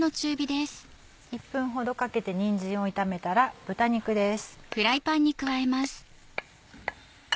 １分ほどかけてにんじんを炒めたら豚肉です。